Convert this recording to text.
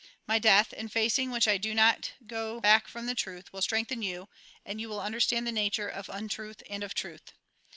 My death, in facing which I do not go back from the truth, will strengthen you, and you will under stand the nature of imtruth and of truth.